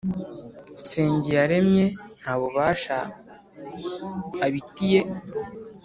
Nsengiyaremye nta bubasha abitiye